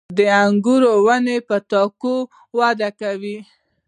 • د انګورو ونې په تاکو وده کوي.